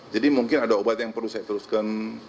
jadi mungkin ada obat yang perlu saya teruskan